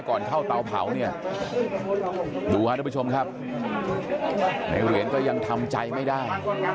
ก่อนเข้าเตาเผาเนี่ยดูครับทุกผู้ชมครับในเหรียญก็ยังทำใจไม่ได้